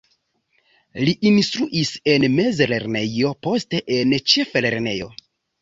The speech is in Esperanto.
Li instruis en mezlernejo, poste en ĉeflernejo.